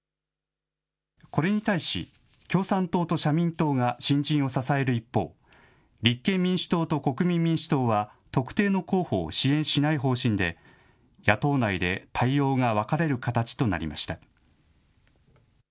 これに対し共産党と社民党が新人を支える一方、立憲民主党と国民民主党は特定の候補を支援しない方針で野党内で対応が分かれる形となりました。